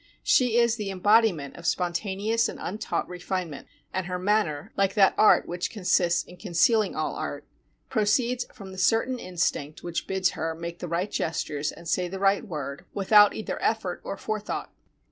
She is the embodi ment of spontaneous and untaught refinement, and her manner, like that art which consists in concealing all art, proceeds from the certain instinct which bids her make the right gestures and say the right word without either effort or forethought.